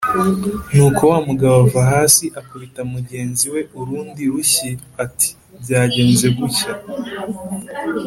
ni uko wa mugabo ava hasi akubita mugenzi we urundi rushyi ati byagenze gutya